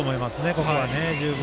ここは十分。